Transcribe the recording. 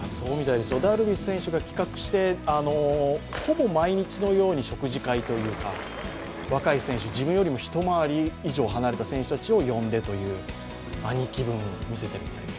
ダルビッシュ選手が帰ってきて、ほぼ毎日のように食事会というか若い選手、自分よりも一回り以上離れた選手を呼んでという兄貴分を見せていたみたいです。